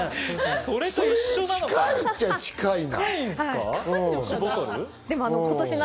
それに近いちゃ近いな。